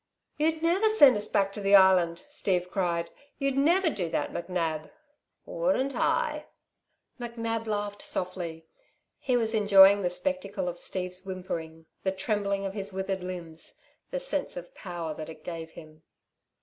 "You'd never send us back to the Island?" Steve cried. "You'd never do that, McNab?" "Wouldn't I?" McNab laughed softly. He was enjoying the spectacle of Steve's whimpering, the trembling of his withered limbs the sense of power that it gave him.